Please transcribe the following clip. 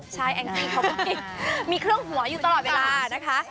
ใช่แองจี้เขาก็มีเครื่องหัวอยู่ตลอดเวลานะคะ